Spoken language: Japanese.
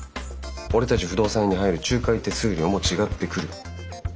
俺たち不動産屋に入る仲介手数料も違ってくる。